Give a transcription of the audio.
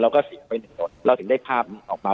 เราก็เสียไปเราถึงได้ภาพออกมา